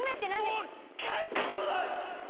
もう帰ってちょうだい！